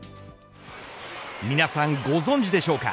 皆さん、ご存じでしょうか。